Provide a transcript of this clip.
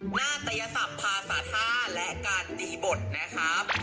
หน้าตยศัพท์ภาษาท่าและการตีบทนะครับ